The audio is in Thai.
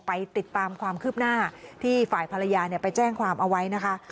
ไปติดตามความคืบหน้าที่ฝ่ายภรรยาไปแจ้งความเอาไว้นะคะ